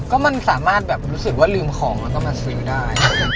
ก็มันสามารถแบบรู้สึกว่าลืมของแล้วก็มาซื้อได้